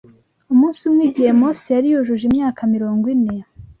Umunsi umwe igihe Mose yari yujuje imyaka mirongo ine